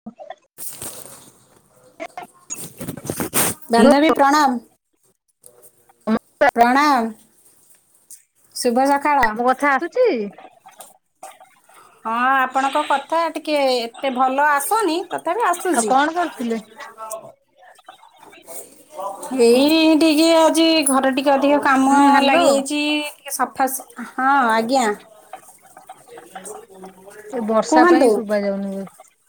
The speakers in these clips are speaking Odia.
[unintelligible] ହ୍ୟାଲୋ ବାନ୍ଧବୀ ପ୍ରଣାମ। ପ୍ରଣାମ ଶୁଭ ସକାଳ। ମୋ କଥା ଆସୁଛି। ହଁ ଆପଣଙ୍କ କଥା ଟିକେ ଏତେ ଭଲ ଆସୁନି ତଥାପି ଆଉ ଆସୁଛି। କଣ କରୁଥିଲେ? ଏଇ ଟିକେ ଆଜି ଘରେ ଟିକେ ଅଧିକ କାମ ହୁଁ ହ୍ୟାଲୋ ଲାଗିଯାଇଛି। ଟିକେ ସଫାସ୍ ହଁ ଆଜ୍ଞା। ଏ ବର୍ଷା କୁହନ୍ତୁ। [unintelligible]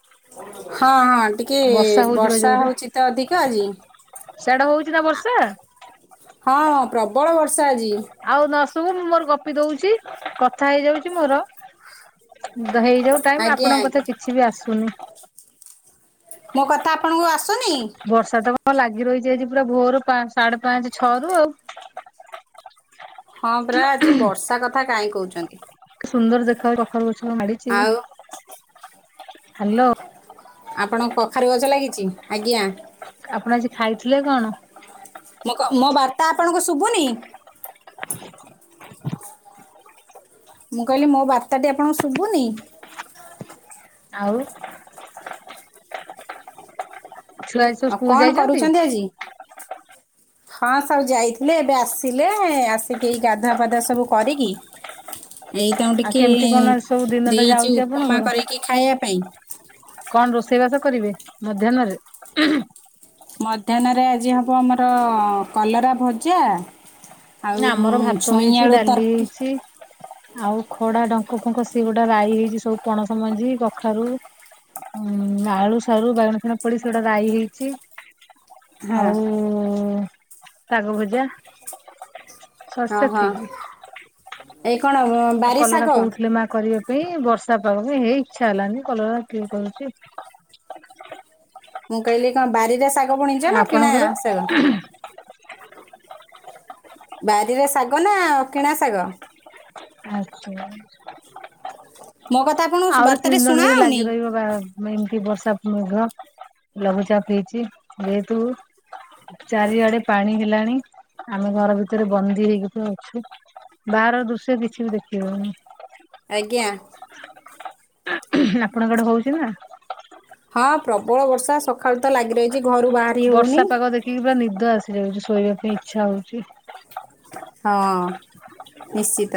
ହଁ ହଁ ଟିକେ ବର୍ଷା ହଉଛି ବର୍ଷା ହଉଛି ତ ଅଧିକ ଆଜି। ସେଆଡେ ହଉଛି ନା ବର୍ଷା। ହଁ ପ୍ରବଳ ବର୍ଷା ଆଜି। ଆଉ ନସୁବୁ ମୁଁ ମୋର ଗପି ଦଉଛି କଥା ହେଇଯାଉଛି ମୋର। ହେଇଯାଉ ଟାଇମି ଆଜ୍ଞା ଆପଣଙ୍କ କଥା ଆଜ୍ଞା କିଛି ବି ଆସୁନି। ମୋ କଥା ଆପଣଙ୍କୁ ଆସୁନି। ବର୍ଷା ତ କଣ ଲାଗି ରହିଛି ଆଜି ପୁରା ଭୋରୁ ପା ସାଢେ ପାଞ୍ଚ ଛଅ ରୁ ଆଉ। ହଁ ପରା ଆଜି ବର୍ଷା କଥା କାହିଁ କହୁଛନ୍ତି। ସୁନ୍ଦର ଦେ କଖାରୁ ଗଛ ମାଡିଛି। ଆଉ ହ୍ୟାଲୋ ଆପଣଙ୍କ କଖାରୁ ଗଛ ଲାଗିଛି ଆଜ୍ଞା। ଆପଣ ଆଜି ଖାଇଥିଲେ କଣ। ମୋ କ ମୋ ବାର୍ତ୍ତା ଆପଣଙ୍କୁ ଶୁଭୁନି। [unintelligible] ମୁଁ କହିଲି ମୋ ବାର୍ତ୍ତାଟି ଆପଣଙ୍କୁ ଶୁଭୁନି? ଆଉ। ଛୁଆ ଆଜି ସବୁ ଆଉ ସ୍କୁଲ କଣ ଯାଇଛନ୍ତି? କରୁଛନ୍ତି ଆଜି ହଁ ସବୁ ଯାଇଥିଲେ ଏବେ ଆସିଲେ ଆସିକି ଏ ଗାଧୁଆ ପଧୁଆ ସବୁ କରିକି ଏଇ ତାଙ୍କୁ ଆଉ ଟିକେ କେମିତି କଣ ଏ ସବୁ ଦିନ ଟା ଦେଇଛି ଯାଉଛି ଉପମା ଆପଣଙ୍କର? କରିକି ଖାଇବା ପାଇଁ କଣ ରୋଷେଇ ବାସ କରିବେ ମଧ୍ୟାହ୍ନରେ? ମଧ୍ୟାହ୍ନରେ ଆଜି ହବ ଆମର କଲରା ଭଜା। ଆଉ ନା ଆମର ଭାତ ଛୁଇଁ ହେଇଛି ଆଳୁ ଡାଲି ତରକି ହେଇଛି। ଆଉ ଖଡା ଡଙ୍କ ଫୁଙ୍କ ସେ ଗୋଟେ ରାଇ ହେଇଛି ସବୁ ପଣସ ମଞ୍ଜି କଖାରୁ ଉଁ ଆଳୁ ସାରୁ ବାଇଗଣ ଫାଇଗଣ ପଡି ସେ ଗୋଟେ ରାଈ ହେଇଛି। ହଁ ଆଉ ଶାଗ ଭଜା। ହଁ ସରସ ହଁ ଠିକି ଏଇ କଣ ବାରି ଶାଗ କଲରା କହୁଥିଲେ ମା। କରିବା ପାଇଁ ବର୍ଷା ପାଗ ପାଇଁ ହେଇ ଇଚ୍ଛା ହେଲାନି କଲରା କିଏ କରୁଛି। ମୁଁ କହିଲି କଣ ବାରିରେ ଶାଗ ବୁଣିଛ ନା କିଣା ଆପଣଙ୍କର ଶାଗ? ବାରିରେ ଶାଗ ନା କିଣା ଶାଗ? ଆଛା। ମୋ କଥା ଆପଣଙ୍କ ଆହୁରି ବାର୍ତ୍ତାରେ ତିନି ଦିନ ଶୁଣା ଧରି ହଉନି ଲାଗି ରହିବ ବା ମ ଏମିତି ବର୍ଷା ମେଘ ଲଘୁଚାପ ହେଇଛି ଯେହେତୁ ଚାରିଆଡେ ପାଣି ହେଲାଣି। ଆମେ ଘର ଭିତରେ ବନ୍ଦୀ ହେଇକି ତ ଅଛୁ ବାହାରର ଦୃଶ୍ୟ କିଛି ବି ଦେଖି ହଉନି। ଆଜ୍ଞା। ଆପଣଙ୍କ ଆଡେ ହଉଛି ନା? ହଁ ପ୍ରବଳ ବର୍ଷା ସକାଳୁ ତ ଲାଗି ରହି ବର୍ଷା ପାଗ ଦେଖିକି ପୁରା ନିଦ ଆସି ଯାଉଛି ଶୋଇବା ପାଇଁ ଇଚ୍ଛା ହଉଛି। ହଁ ନିଶ୍ଚିତ।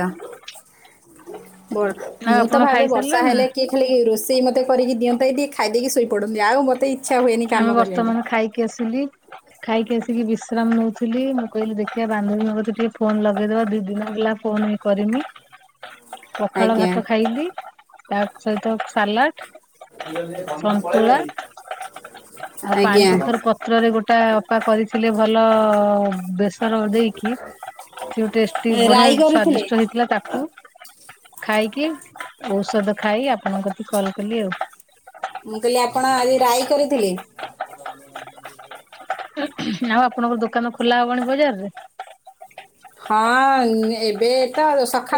ବ ଆଉ ମୁଁ ତ ଆପଣ ଭାବେ ବର୍ଷା ଖାଇସାରିଲେଣି ନା? ହେଲେ କି ଖାଲି ରୋଷେଇ ମୋତେ କରିକି ଦିଅନ୍ତେ କି ଯଦି ଖାଇ ଦେଇକି ଶୋଇ ପଡ଼ନ୍ତି ଆଉ ମୋତେ ଇଚ୍ଛା ହୁଏନି କାମ ଆମେ କରିବାକୁ ବର୍ତ୍ତମାନ ଖାଇକି ଆସିଲି। ଖାଇକି ଆସିକି ବିଶ୍ରାମ ନଉଥିଲି ମୁଁ କହିଲି ଦେଖିବ। ବାନ୍ଧବୀଙ୍କ କତିକି ଟିକେ ଫୋନ ଲଗେଇଦବା ଦି ଦିନ ହୋ ଫୋନ ଏଇ କରିମି। ପଖାଳ ଆଜ୍ଞା ଭାତ ଖାଇଲିି ତା ସହିତ ସାଲାଡ [unintelligible] ଆଉ ପାଣି କଖାରୁ ପତ୍ରରେ ଗୋଟା ଅପା କରିଥିଲେ ଭଲ ବେସର ଦେଇକି ସେ ଟେଷ୍ଟି ବଢିଆ ରାଇ କରିଥିଲେ ସ୍ଵାଦିଷ୍ଟ ହେଇଥିଲା ତାଠୁ ଖାଇକି ଔଷଧ ଖାଇ ଆପଣଙ୍କ କତିକି କଲ୍ କଲି ଆଉ। ମୁଁ କହିଲି ଆପଣ ଆଜି ରାଇ କରିଥିଲେ? ଆଉ ଆପଣଙ୍କ ଦୋକାନ ଖୋଲା ହବଣି ବଜାରରେ? ହଁ ଉଁ ଏବେ ତ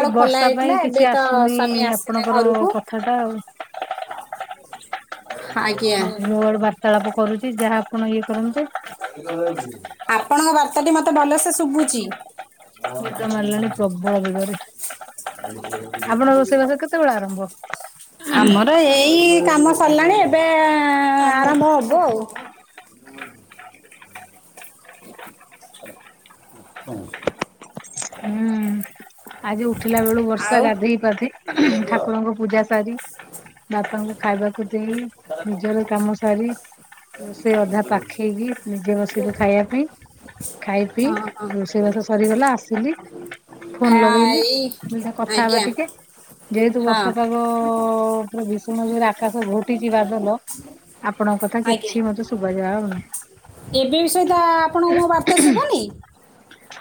ଏ ଖୋଲା ବର୍ଷା ପାଇଁ ହେଇଥିଲା କିଛି ଏବେ ତ ଆସୁନି ସ୍ୱାମୀ ଆସିଲେ ଆପଣଙ୍କର ଘରକୁ। କଥାଟା ଆଉ। ଆଜ୍ଞା ମୁଁ ମୁଁ ଇଆଡୁ ବାର୍ତ୍ତାଳାପ କରୁଛି ଯାହା ଆପଣ ଇଏ କରନ୍ତୁ। ଆପଣଙ୍କ ବାର୍ତ୍ତାଟି ମତେ ଭଲସେ ଶୁଭୁଛି। ନିଦ ମାଡ଼ିଲାଣି ପ୍ରବଳ ବେଗରେ। ଆପଣଙ୍କ ରୋଷେଇବାସ କେତେବେଳେ ଆରମ୍ଭ? ଆମର ଏଇ କାମ ସରିଲାଣି ଏବେ ଆଲୋ ଆରମ୍ଭ ହବ ଆଉ। [unintelligible] ହୁଁ। ଆଜି ଉଠିଲା ବେଳୁ ବର୍ଷା ଆଉ। ଗାଧୋଇ ପାଧୋଇ ଠାକୁରଙ୍କ ପୂଜା ସାରି ବାପାଙ୍କୁ ଖାଇବାକୁ ଦେଇ ନିଜର କାମ ସାରି ରୋଷେଇ ଅଧା ପାଖେଇକି ନିଜେ ବସିଲୁ ଖାଇବା ପାଇଁ ଖାଇ ପିଇ ଆଉ ହଁ ରୋଷେଇବାସ ସରିଗଲା ଆସିଲି। ଫୋନ୍ ହଁ ଲଗେଇଲି ଏଇ ସେଟା କଥା ହେବା ଆଜ୍ଞା ଟିକେ ଯେହେତୁ ହଁ ବର୍ଷାପାଗ ଅ ଭୀଷଣ ଯୋଉରେ ଆକାଶ ଘଟିଛି ବାଦଲ ଆପଣଙ୍କ କଥା ଆଜ୍ଞା କିଛି ମତେ ଶୁଭାଯାଉ ନାହିଁ। ଏବେ ବି ସୁଦ୍ଧା ଆପଣଙ୍କ ମୋ ବାର୍ତ୍ତା ଶୁଭୁନି?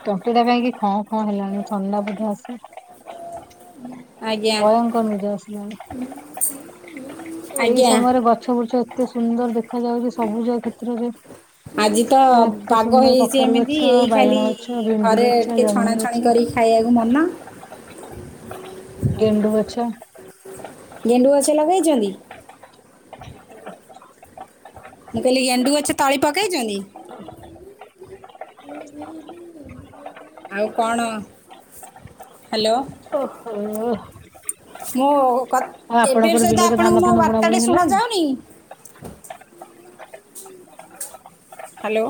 ତଟିଟା କାଇଁ କି ଖ ଖ ହେଲାଣି ଥଣ୍ଡା ବୋଧେ ଆସେ ଆଜ୍ଞା ଭୟଙ୍କର ନିଦ ଆସିଲାଣି ଏଇ ଆଜ୍ଞା ସମୟରେ ଗଛ ବୁଛ ଏତେ ସୁନ୍ଦର ଦେଖାଯାଉଛି ସବୁଜ କ୍ଷେତ୍ରରେ ଆଜି ତ ପୁରା ଏତେ ପାଗ ସୁନ୍ଦର ହେଇଛି କଖାରୁ ଏମିତି ଗଛ ଏଇ ଖାଲି ବାଇଗଣ ଗଛ ଭେଣ୍ଡି ଘରେ ଗଛ ଟିକେ ଜହ୍ନି ଗଛ ଛଣାଛଣି କରି ଖାଇବାକୁ ମନ। ଗେଣ୍ଡୁ ଗଛ। ଗେଣ୍ଡୁ ଗଛ ଲଗେଇଚନ୍ତି? ମୁଁ କହିଲି ଗେଣ୍ଡୁ ଗଛ ତଳି ପକେଇଚନ୍ତି? ଆଉ କଣ ହ୍ୟାଲୋ ଓ ହୋ। ମୋ ଆଉ ଏବେ ଆପଣଙ୍କର ସହିତ ବିଲରେ ଆପଣଙ୍କୁ ଧାନ ମୋ ଫାନ ବୁଣା ବାର୍ତ୍ତାଟି ବୁଣି ହେଲାଣି? ଶୁଣାଯାଉନି? ହ୍ୟାଲୋ।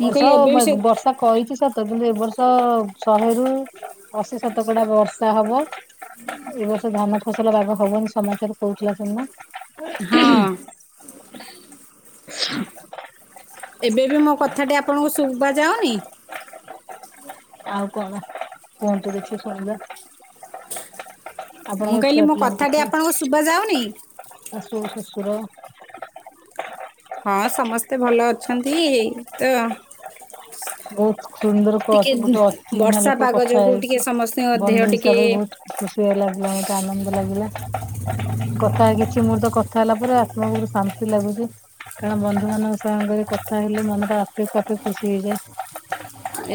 ମୁଁ ବର୍ଷ କହିଲି ଏବେ ବି ମେ ସେ ବର୍ଷ କହିଛି ସତ କିନ୍ତୁ ଏ ବର୍ଷ ଶହେରୁୁ ଅଶୀ ସତକଡା ବର୍ଷା ହବ। ଏ ବର୍ଷ ଧାନ ଫସଲ ବାଗ ହବନି ସମାଚାର ରେ କହୁଥିଲା ଶୁଣିନ? ହଁ [unintelligible] ଏବେ ବି ମୋ କଥାଟି ଆପଣଙ୍କୁ ଶୁବା ଯାାଉନି? ଆଉ କଣ କୁହନ୍ତୁ ଦେଖିବ ଶୁଣିବା? ମୁଁ ଆପଣଙ୍କ କହିଲି ଛୁଆ ମୋ ପିଲାଙ୍କ କଥାଟି କଥା। ଆପଣଙ୍କ ଶୁଭ ଯାଉନି? ଶାଶୁ ଶଶୁର ହଁ ସମସ୍ତେ ଭଲ ଅଛନ୍ତି ତ। ବହୁତ ସୁନ୍ଦର ଟିକେ ଗୋଟେ ଅ ଚିହ୍ନା ବର୍ଷା ଲୋକ ପାଗ କଥା ଯୋଗୁ ଟିକେ ହେଇକି ସମସ୍ତଙ୍କ ଦେହ ବନ୍ଧୁ ଟିକେ ହିସାବରେ ବହୁତ ଖୁସି ଲାଗିଲା ମୋତେ ଆନନ୍ଦ ଲାଗିଲା। କଥାକିଛି ମୁହୂର୍ତ୍ତ କଥା ହେଲା ପରେ ଆତ୍ମା କୁ ଶାନ୍ତି ଲାଗୁଛି। କାରଣ ବନ୍ଧୁ ମାନଙ୍କ ସାଙ୍ଗରେ କଥା ହେଲେ ମନ ଟା ଆପେ ଆପେ ଖୁସି ହେଇଯାଏ।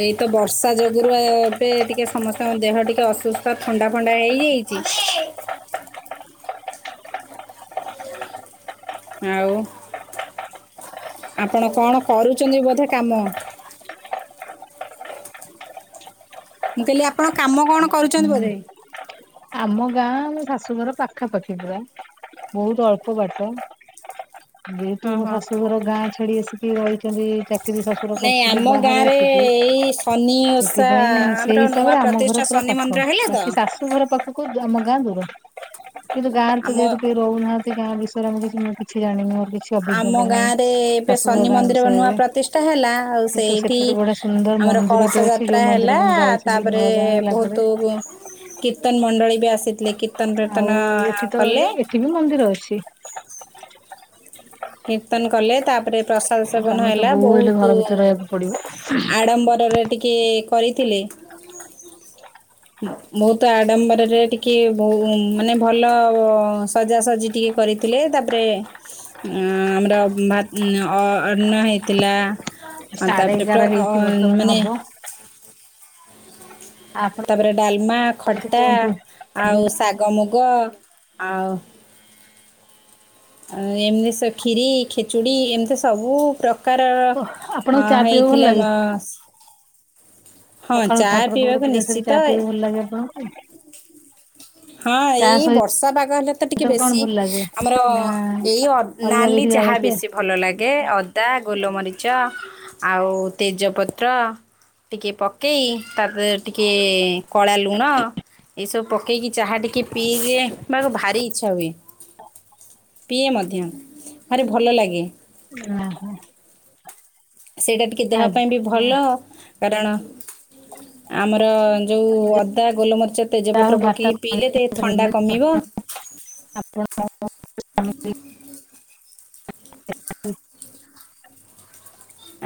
ଏଇ ତ ବର୍ଷା ଯୋଗୁରୁ ଏବେ ଟିକେ ସମସ୍ତଙ୍କ ଦେହ ଟିକେ ଅସୁସ୍ଥ ଥଣ୍ଡା ଫଣ୍ଡା ହେଇଯାଇ [unintelligible] ଆଉ ଆପଣ କଣ କରୁଛନ୍ତି ବୋଧେ କାମ? ମୁଁ କହିଲି ଆପଣ କାମ କଣ କରୁଛନ୍ତି ହୁଁ। ବୋଧେ? ଆମ ଗାଁ ମୋ ଶାଶୁଘର ପାଖାପାଖି ପୁରା। ବହୁତ ଅଳ୍ପ ବାଟ ଯେହେତୁ ହଁ ମୋ ହଁ। ଶାଶୁଘର ଗାଁ ଛାଡି ଆସି କି ରହିଛନ୍ତି ଚାକିରି ଶଶୁର ନାଇଁ କରିଥିଲେ ଆମ ବାହାରେ ଗାଁରେ ଆସିକି। ଏଇ ଶନି ଓଷା ସେଥିପାଇଁ ଆମର ସେଇ ନୂଆ ହିସାବରେ ଆମ ଘର ପ୍ରତିଷ୍ଠା ପୁରା ଶନି ପାଖ ମନ୍ଦିର ହେଲା ତ ବାକି ଶାଶୁଘର କୁ ଆମ ଗାଁ ଦୂର କିନ୍ତୁ ଗାଁ। ଆମ [unintelligible] ରହୁନାହାନ୍ତି ଗାଁ ବିଷୟରେ ଆମେ କିଛି ମୁଁ କିଛି ଜାଣିନି ଆଉ କିଛି। ଆମ ଅଭିଜ୍ଞତା ଗାଁ ନାହିଁ। ରେ ଏବେ ଶାଶୁଘର ଶନି ଗାଁ ମନ୍ଦିର ନୂଆ ବିଷୟରେ ପ୍ରତିଷ୍ଠା ହେଲା କିନ୍ତୁ ସେଇଠି ସେଠି ଗୋଟେ ବଢିଆ ସୁନ୍ଦର ଆମର ମନ୍ଦିରଟେ କଳସ ଅଛି ଯୋଉ ଯାତ୍ରା ହେଲା ମନ୍ଦିରକୁ ମୁଁ ଯାଇଥିଲି ତାପରେ ନୂଆ ବାହା ହେଲା ପରେ। ବହୁତ କୀର୍ତ୍ତନ ମଣ୍ଡଳୀ ବି ଆସିଥିଲେ କୀର୍ତ୍ତନ ଆଉ ପ୍ରିର୍ତ୍ତନ ଏଠି ତ କଲେ। [unintelligible] ବି ମନ୍ଦିର ଅଛି। କୀର୍ତ୍ତନ କଲେ ତାପରେ ପ୍ରସାଦ କିନ୍ତୁ ସେବନ ଆମେ ତ ହେଲା। ବୋହୂ ହେଲେ ଘର ବହୁତ ଭିତରେ ରହିବାକୁ ପଡିବ ଆଡମ୍ବରରେ ଟିକିଏ କରିଥିଲି। ମୁଁ ତ ଆଡମ୍ବରରେ ଟିକେ ବହୁ ମାନେ ଭଲ ସଜାସଜି ଟିକେ କରିଥିଲେ ତାପରେ ଏଁ ଆମର ଭା ଅନ୍ନ ହେଇଥିଲା। ଆ ସାଢେ ତାପରେ ଏଗାର ତ ହେଇକି ଅ ବର୍ତ୍ତମାନ ମାନେ ହବ। ଆପଣ ତାପରେ ଡାଲମା କିଛି ଖଟା କୁହନ୍ତୁ ଆଉ ଶାଗ ମୁଗ ଆଉ ଆଉ ଏମିତି ଖିରି ଖିଚୁଡ଼ି ଏମିତି ସବୁ ପ୍ରକାରର ଅଁ ଆପଣଙ୍କୁ ଚା ପିଇବାକୁ ଭଲ ହେଇଥିଲା ଲାଗେ? ମା ସକାଳୁ ଠାକୁର ଫାକୁର ପିଇବାକୁ ପୂଜାସାରି ନିଶ୍ଚିତ ଚା ପିଇବାକୁ ଭଲ ଲାଗେ ଆପଣଙ୍କୁ? ହଁ ଚା ଏଇ ସହିତ ବର୍ଷା ପାଗ ହେଲେ ତ ଟିକେ କଣ ବେଶୀ ଭଲ ଲାଗେ? ଆମର ନା ଏଇ ଅ ଅଲଗା ନାଲି କିଛି ଚାହା ଜଳଖିଆ ବେଶି ଭଲ ଲାଗେ ଅଦା ଗୋଲମରିଚ ଆଉ ତେଜପତ୍ର ଟିକିଏ ପକେଇ ତାପରେ ଟିକିଏ କଳା ଲୁଣ ଏସବୁ ପକେଇକି ଚାହା ଟିକେ ପିଇଦିଏ ବାକୁ ଭାରି ଇଚ୍ଛା ହୁଏ। ତ ପିଏ ମଧ୍ୟ। ଭାରି ଭଲ ଲାଗେ। ଓହୋ। ସେଇଟା ଟିକେ ଦେହ ପାଇଁ ବି ଆଜ୍ଞା। ଭଲ। କାରଣ ଆମର ଯୋଉ ଅଦା ଗୋଲମରିଚ ଯାହା ହଉ ତେଜପତ୍ର ବାର୍ତ୍ତା ପକେଇକି ପିଇଲେ ଟିକେ ଥଣ୍ଡା ହେଲେ କମିବ। ଆପଣ ହ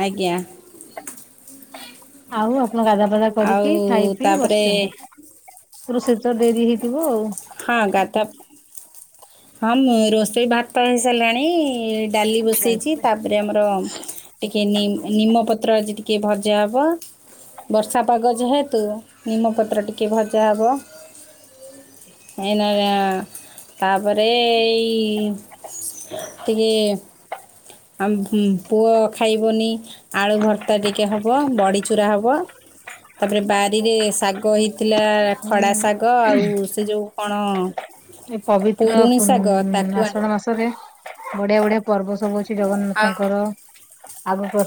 ଆଜ୍ଞା। ଆଉ ଆପଣ ଗାଧା ପାଦା ଆଉ କରିକି ଖାଇ ପିଇ ତାପରେ ବସିଚନ୍ତି। ରୋଷେଇ ତ ଡେରି ହେଇଥିବ ଆଉ। ହଁ ଗାତା ହଁ ମୁଁ ରୋଷଇ ଭାତ ହେଇ ସାରିଲାଣି ଏ ଡାଲି ଆଚ୍ଛା ବସାଇଚି ଆଚ୍ଛା। ତା ତାପରେ ଆମର ଟିକେ ନି ନିମ ପତ୍ର ଆଜି ଟିକେ ଭଜା ହବ। ବର୍ଷା ପାଗ ଯେହେତୁ ନିମପତ୍ର ଟିକେ ଭଜା ହେବ। ଆଇ ନ [unintelligible] ତାପରେ ଏଇ ଟିକେ ଆମ ପୁଅ ଖାଇବନି ଆଳୁ ଭର୍ତ୍ତା ଟିକେ ହେବ। ବଡ଼ିଚୂୁରା ହେବ। ତାପରେ ବାରିରେ ଶାଗ ହେଇଥିଲା ଖଡା ହୁଁ ଶାଗ ଆଉ ସେ ଯଉ କଣ ଏ ପବିତ୍ର ପୁରୁଣି ପୁ ଶାଗ ତାକୁ ଆଣି ଆଷାଢ ମାସରେ ବଢିଆ ବଢିଆ ପର୍ବ ସବୁ ଅଛି। ଶ୍ରୀ ଆଉ ଜଗନ୍ନାଥଙ୍କର ଆଗକୁ ଆ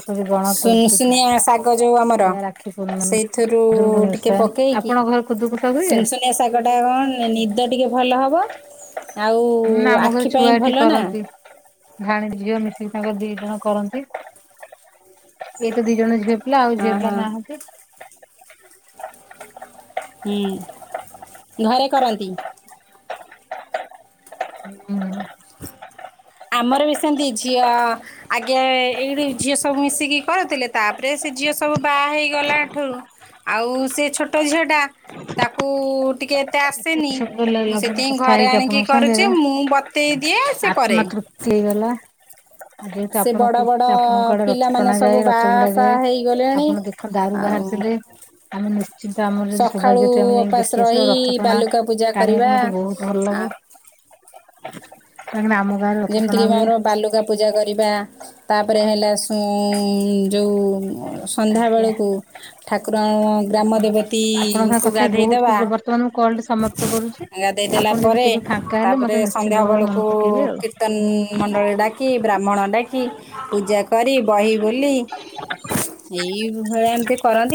ସୁନସୁନିଆ ଶାଗ ଯୋଉ ଆମର [unintelligible] ରାକ୍ଷୀ ପୂର୍ଣମୀ ସେଇଥିରୁ ଖୁଦୁରୁକୁଣି ଟିକେ ଓଷା ଆଛା। ପକେଇକି ଆପଣଙ୍କ ଘରେ [unintelligible] [unintelligible] କଣ ନି ନିଦ ଟିକେ ଭଲ ହେବ ଆଉ ଆଖି ପାଇଁ ଭଲ ନା। ଭାଣୀଜି ଝିଅ ମିଶିକି ତାଙ୍କର ଦି ଜଣ କରନ୍ତି। ଇଏ ତ ଦି ଜଣ ଝିଅ ପିଲା ଆଉ ହଁ ଝିଅ ପିଲା ହଁ ନାହାନ୍ତି। ହୁଁ ଘରେ କରନ୍ତି। ହୁଁ। ଆମର ବି ସେମିତି ଝିଅ ଆଜ୍ଞା ଏଇଠି ଝିଅ ସବୁ ମିଶିକି କରୁଥିଲେ ତାପରେ ସେ ଝିଅ ସବୁ ବାହା ହେଇଗଲାଠଉ ଆଉ ସେ ଛୋଟ ଝିଅଟା ତାକୁ ଟିକେ ମତେ ଏତେ ଆସେନି ସମୟ ମୁଁ ଲାଗିଲା ଆପଣ ସେଥିପାଇଁ କଥା ଘରେ ହେଇକି ଆଣିକି ଆପଣଙ୍କ କରୁଛି ସାଙ୍ଗରେ ମୁଁ ବତେଇ ଦିଏ ସେ କରେ। ଆତ୍ମା ହେଇଗଲା। ଯେହେତୁ ସେ ଆପଣ ବଡ଼ କୁ ବଡ଼ ଆପଣଙ୍କ ଆଡେ ରଥ ପିଲାମାନେ ଟଣା ଯାଏ ସବୁ ରଥ ଭିଡା ବାହାସାହା ଯାଏ ହେଇଗଲେଣି ଆପଣ ଦେଖ ଦାରୁ ଆଉ ବାହାରିଥିଲେ ଆମେ ନିଶ୍ଚିନ୍ତ ଆମର ଯ ସକାଳୁ ସୌଭାଗ୍ୟ ଥିବ ଆମେ ଯାଇକି ଉପାସ ଦେଖି ଆସିବା ରହି ରଥଟଣା। ବାଲୁକା ପୂଜା [inaudible] କରିବା ମତେ ବହୁତ ଆ ଭଲଲାଗେ କାହିଁ କିନା ଆମକୁ ଯେମିତି କିି ଆମର ବାଲୁକା ପୂଜା କରିବା ତାପରେ ହେଲା ସୁଁ ଆଜ୍ଞା। ଯଉସନ୍ଧ୍ୟାବେଳକୁ ଠାକୁର ଗ୍ରାମ ଦେବତା ତି ଆପଣଙ୍କ ସହ ଙ୍କୁ କଥା ହେଇ ବହୁତ ଗାଧେଇଦବା ଖୁସି ବର୍ତ୍ତମାନ ମୁଁ କଲ୍ ଟି ସମାପ୍ତ କରୁଛି। ଗାଧେଇ ଦେଲା ଆପଣ ଯଦି ପରେ କେବେ ଫାଙ୍କା ହେଲେ ତାପରେ ମତେ ନିଶ୍ଚିନ୍ତ ସନ୍ଧ୍ୟା ଭାବରେ ମନେ ବେଳକୁ ପକେଇବେ ଆଉ। କୀର୍ତ୍ତନ ନ ମଣ୍ଡଳୀ ଡାକି ବ୍ରାହ୍ମଣ ଡାକି ପୂଜା କରି ବହି ବୋଲି ଏଇ ଭଳିଆ ଏମିତି କରନ୍ତି।